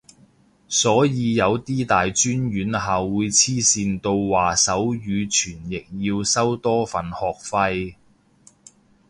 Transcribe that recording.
所以有啲大專院校會黐線到話手語傳譯要收多份學費